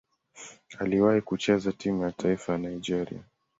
Aliwahi kucheza timu ya taifa ya Nigeria.